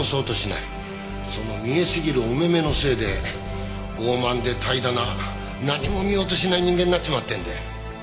その見えすぎるお目目のせいで傲慢で怠惰な何も見ようとしない人間になっちまってるんだよ。